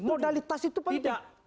modalitas itu penting